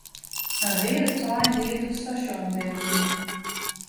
In reade trein ried it stasjon binnen.